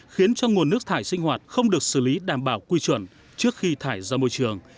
khiến cho nguồn nước thải sinh hoạt không được xử lý đảm bảo quy chuẩn trước khi thải ra môi trường